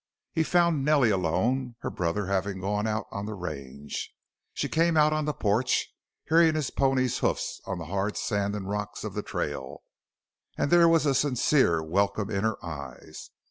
He found Nellie alone, her brother having gone out on the range. She came out on the porch, hearing his pony's hoofs on the hard sand and rocks of the trail, and there was a sincere welcome in her eyes.